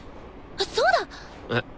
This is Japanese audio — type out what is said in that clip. そうだ！え。